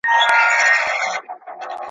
زده کوونکي اوس په مورنۍ ژبه زده کړه کوي.